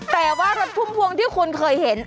แต่ว่ารถพุ่มพวงที่คุณเคยเห็น